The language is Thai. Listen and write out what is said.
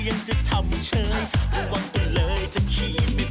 ไปเอามาสิวะ